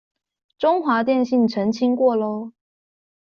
中華電信澄清過囉